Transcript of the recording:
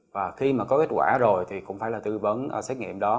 và khi mà có kết quả rồi thì cũng phải là tư vấn xét nghiệm đó